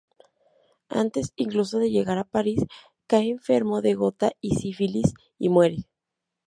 Antes incluso de llegar a París, cae enfermo de gota y sífilis y muere.